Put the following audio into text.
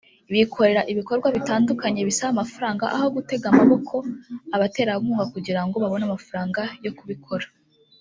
bikorera ibikorwa bitandukanye bisaba amafaranga aho gutega amaboko abaterankunga kugira ngo babone mafaranga yo kubikora